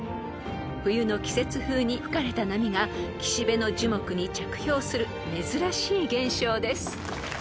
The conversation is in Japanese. ［冬の季節風に吹かれた波が岸辺の樹木に着氷する珍しい現象です］